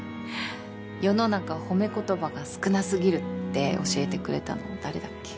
世の中褒め言葉が少なすぎるって教えてくれたの誰だっけ？